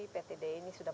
pt d ini sudah